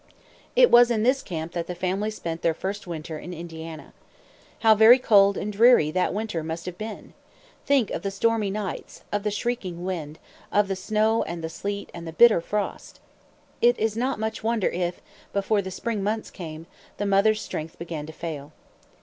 It was in this camp that the family spent their first winter in Indiana. How very cold and dreary that winter must have been! Think of the stormy nights, of the shrieking wind, of the snow and the sleet and the bitter frost! It is not much wonder if, before the spring months came, the mother's strength began to fail.